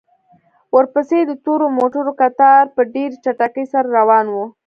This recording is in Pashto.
ورپسې د تورو موټرو کتار په ډېرې چټکۍ سره روان و.